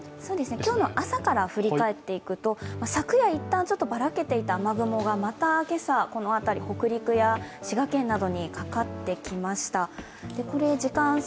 今日の朝から振り返っていくと、昨夜一旦ばらけていた雨雲がまた今朝、この辺り、北陸や滋賀県などにかかってきました。